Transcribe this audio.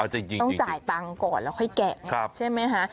จริงต้องจ่ายตังค์ก่อนแล้วค่อยแกะใช่ไหมคะ